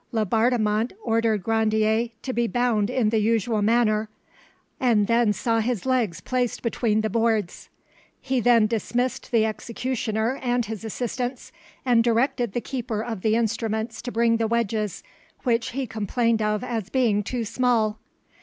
Laubardemont ordered Grandier to be bound in the usual manner, I and then saw his legs placed between the boards. He then dismissed the executioner and his assistants, and directed the keeper of the instruments to bring the wedges, which he complained of as being too small.